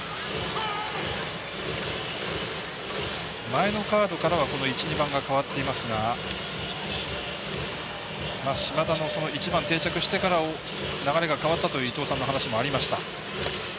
前のカードからは１、２番が変わっていますが島田の１番定着してから流れが変わったという伊東さんの話もありました。